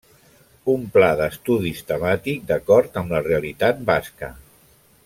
Un pla d'estudis temàtic d'acord amb la realitat basca.